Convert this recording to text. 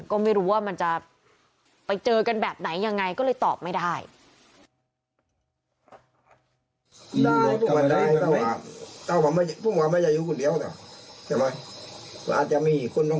ก็ไม่รู้ว่ามันจะไปเจอกันแบบไหนยังไงก็เลยตอบไม่ได้